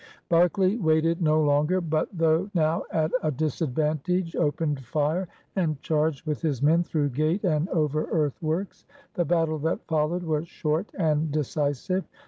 Berkeley waited no longer but, though now at a disadvantage, opened fire and charged with his men through gate and over earthworks. The battle that followed was short and decisive.